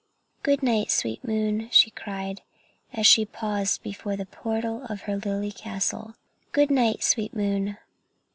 "Good night, sweet moon!" she cried, as she paused before the portal of her lily castle, "good night, sweet moon!"